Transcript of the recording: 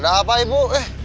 ada apa ibu